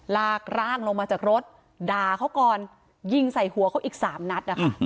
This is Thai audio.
ลากร่างลงมาจากรถด่าเขาก่อนยิงใส่หัวเขาอีกสามนัดนะคะ